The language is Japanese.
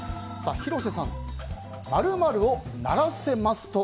広瀬さん、○○を鳴らせます！と